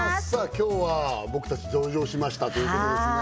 今日は「僕たち上場しました！」ということですね